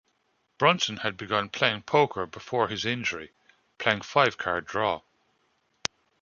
Brunson had begun playing poker before his injury, playing five-card draw.